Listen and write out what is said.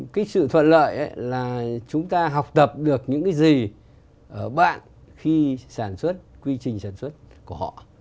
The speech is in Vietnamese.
cái sự thuận lợi là chúng ta học tập được những cái gì ở bạn khi sản xuất quy trình sản xuất của họ